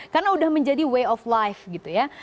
karena udah menjadi way of life gitu ya